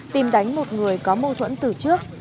tìm đánh một người có mâu thuẫn từ trước